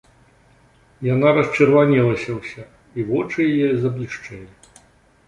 Яна расчырванелася ўся, і вочы яе заблішчэлі.